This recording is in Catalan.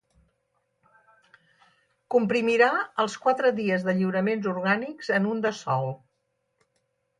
Comprimirà els quatre dies de lliuraments orgànics en un de sol.